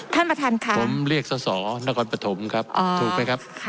ท่านประทันค่ะผมเรียกสอสอนครับถูกไหมครับ